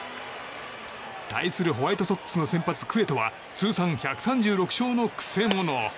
対するホワイトソックスの先発クエトは通算１３６勝のくせ者。